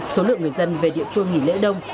số lượng người dân về địa phương nghỉ lễ đông